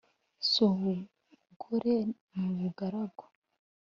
si ubugore ni ubugaragu